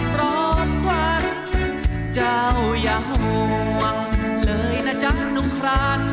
โปรดควันเจ้าอย่าห่วงเลยนะจักรดุงคลาน